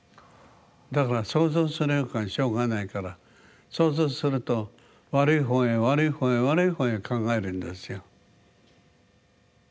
だから想像するよかしょうがないから想像すると悪い方へ悪い方へ悪い方へ考えるんですよ。